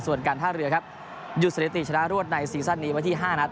ส่วนการท่าเรือยุทธฤติชนะรวดในซีสันนี้มาที่๕นัด